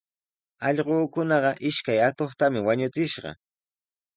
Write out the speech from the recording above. Allquukunaqa ishkay atuqtami wañuchishqa.